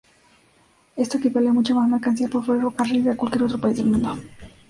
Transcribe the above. Esto equivale a mucha más mercancía por ferrocarril que cualquier otro país del mundo.